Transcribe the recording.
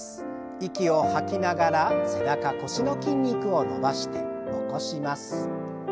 息を吐きながら背中腰の筋肉を伸ばして起こします。